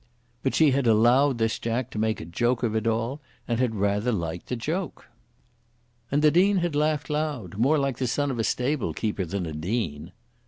But she had allowed this Jack to make a joke of it all, and had rather liked the joke. And the Dean had laughed loud, more like the son of a stable keeper than a Dean.